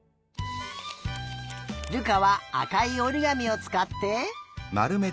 瑠珂はあかいおりがみをつかって。